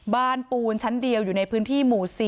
ปูนชั้นเดียวอยู่ในพื้นที่หมู่๔